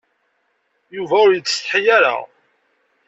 Yuba ur yettsetḥi ara.